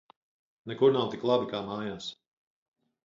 Nekur nav tik labi, kā mājās!